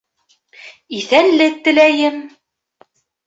Иҫәнлек теләйем.